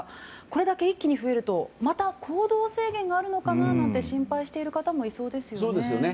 これだけ一気に増えるとまた行動制限があるのかなんて心配している方もいそうですね。